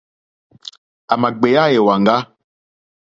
À mà gbèyá èwàŋgá.